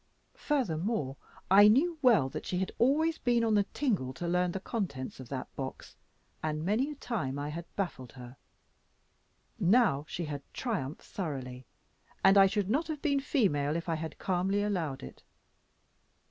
Furthermore, I knew well that she had always been on the tingle to learn the contents of that box, and many a time I had baffled her. Now she had triumphed thoroughly, and I should not have been female if I had calmly allowed it.